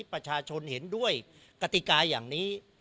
ประชาชนเห็นด้วยกติกาอย่างนี้